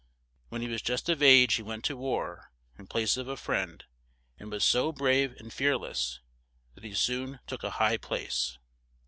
When he was just of age he went to war, in place of a friend, and was so brave and fear less that he soon took a high place.